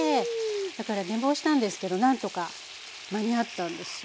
だから寝坊したんですけど何とか間に合ったんですよ。